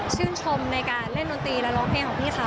สวยด้วย